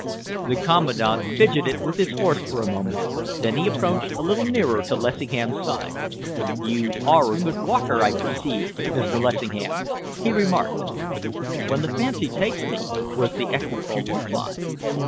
The Commandant fidgeted with his horse for a moment. Then he approached a little nearer to Lessingham's side. "You are a good walker, I perceive, Mr. Lessingham," he remarked. "When the fancy takes me," was the equable reply.